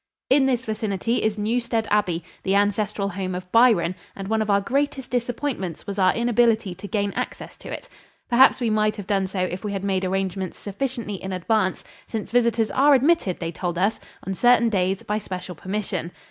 In this vicinity is Newstead Abbey, the ancestral home of Byron, and one of our greatest disappointments was our inability to gain access to it. Perhaps we might have done so if we had made arrangements sufficiently in advance, since visitors are admitted, they told us, on certain days by special permission.